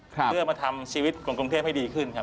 เพื่อมาทำชีวิตคนกรุงเทพให้ดีขึ้นครับ